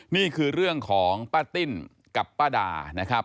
นี่คือเรื่องของป้าติ้นกับป้าดานะครับ